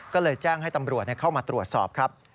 ก็เลยแจ้งให้ตำรวจเข้ามาตรวจสอบครับ